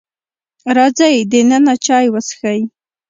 راځئ دننه چای وسکئ.